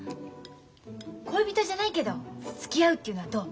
恋人じゃないけどつきあうっていうのはどう？